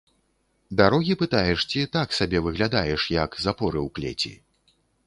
Дарогі пытаеш ці так сабе выглядаеш, як запоры ў клеці?